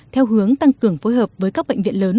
theo hướng tăng cường phối hợp với các bệnh viện lớn